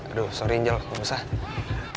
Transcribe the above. aduh sorry angel gak usah